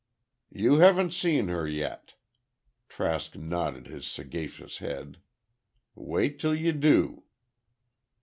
"You haven't seen her yet." Trask nodded his sagacious head. "Wait till you do."